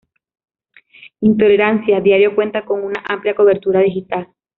Intolerancia Diario cuenta con una amplia cobertura digital.